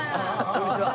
こんにちは。